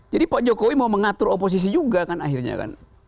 jadi pak jokowi mau mengatur oposisi juga kan akhirnya kan